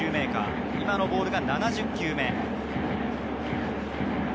今のボールが７０球目。